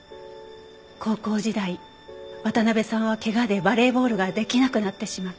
高校時代渡辺さんは怪我でバレーボールができなくなってしまった。